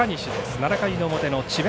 ７回表の智弁